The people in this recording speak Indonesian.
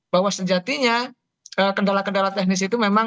bahwa sejatinya kendala kendala teknis itu memang